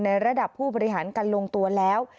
ระดับผู้บริหารกันลงตัวแล้ว